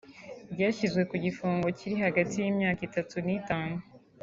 byashyizwe ku gifungo kiri hagati y’imyaka itatu n’itanu